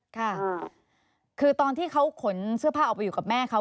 ค่ะคือตอนที่เขาขนเสื้อผ้าออกไปอยู่กับแม่เขา